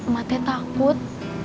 ma teh takut